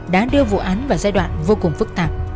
đã đưa vụ án vào giai đoạn vô cùng phức tạp